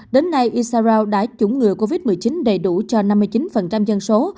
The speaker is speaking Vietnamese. đến nay isarao đã chủng ngừa covid một mươi chín đầy đủ cho năm mươi chín dân số